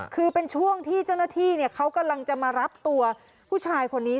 คือเป็นช่วงที่เจ้าหน้าที่เขากำลังจะมารับตัวผู้ชายคนนี้